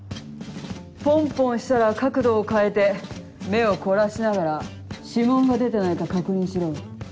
ポンポンしたら角度を変えて目を凝らしながら指紋が出てないか確認しろ。